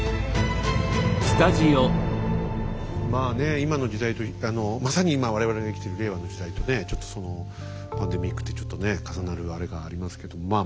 まあねえ今の時代まさに今我々が生きてる令和の時代とねちょっとパンデミックってちょっとね重なるあれがありますけどまあ